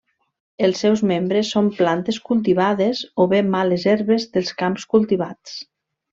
Els seus membres són plantes cultivades o bé males herbes dels camps cultivats.